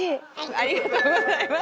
ありがとうございます。